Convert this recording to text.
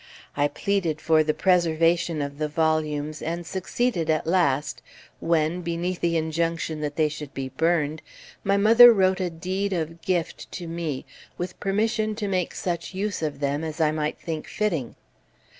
I pleaded for the preservation of the volumes, and succeeded at last when, beneath the injunction that they should be burned, my mother wrote a deed of gift to me with permission to make such use of them as I might think fitting.